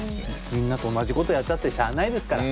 みんなと同じことをやったってしゃあないですから。